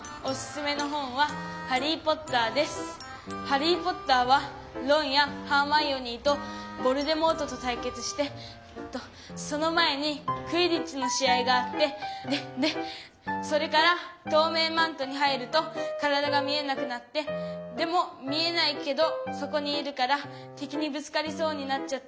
ハリー・ポッターはロンやハーマイオニーとヴォルデモートとたいけつしてえっとその前にクィディッチの試合があってでそれからとうめいマントに入ると体が見えなくなってでも見えないけどそこにいるからてきにぶつかりそうになっちゃったりして。